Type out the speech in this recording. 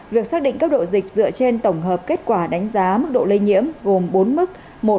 việc xác định cấp độ dịch dựa trên tổng hợp kết quả đánh giá mức độ lây nhiễm gồm bốn mức một hai ba bốn